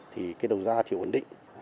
thì cái đầu da thì ổn định